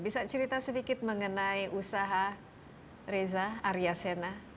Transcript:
bisa cerita sedikit mengenai usaha reza aryasena